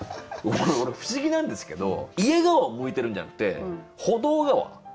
俺不思議なんですけど家側を向いてるんじゃなくて歩道側。